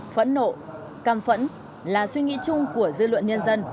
phẫn nộ cam phẫn là suy nghĩ chung của dư luận nhân dân